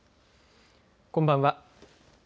こんばんは。